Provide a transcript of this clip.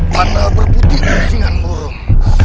tanah berputing bisingan murung